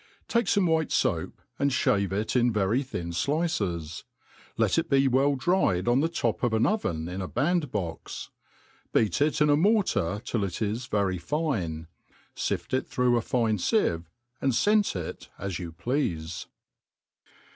TAKE fome white foap, and fliave it in very thin dices $ )ct it be well dried on the top of an oven in a band box ; beat it in a mortar till it is very fine, fift it through a fine fieve^ and fcent it as you pleafe.